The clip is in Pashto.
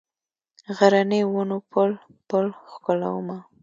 غرنیو ونو پل، پل ښکلومه